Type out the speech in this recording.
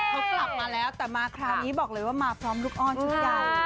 เขากลับมาแล้วแต่มาคราวนี้บอกเลยว่ามาพร้อมลูกอ้อนชุดใหญ่